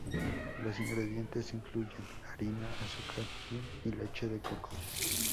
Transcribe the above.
Los ingredientes incluyen harina, azúcar, "ghi" y leche de coco.